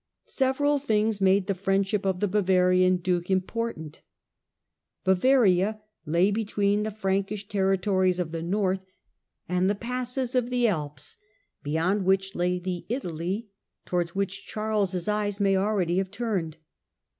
Several things made the riendship of the Bavarian duke important. Bavaria ay between the Frankish territories of the north and he passes of the Alps, beyond which lay the Italy to wards which Charles' eyes may already have turned.